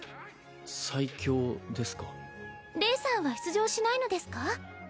最強ですかレイさんは出場しないのですか？